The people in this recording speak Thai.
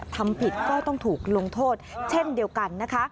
ทำผิดก็ต้องถูกลงโทษเช่นเดียวกันนะคะ